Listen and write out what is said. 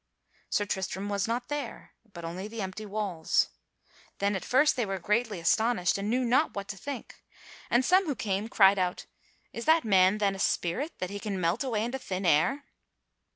Sir Tristram was not there, but only the empty walls. Then at first they were greatly astonished, and knew not what to think. And some who came cried out: "Is that man then a spirit that he can melt away into thin air?"